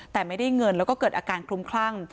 แต่ไม่ได้เงินแล้วก็เกิดอาการคลุมคลั่ง